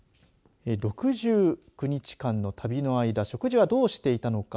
６９日間の旅の間食事はどうしていたのか。